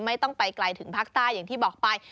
ไม่ต้องไปไกลถึงภาคใต้อย่างที่บอกไป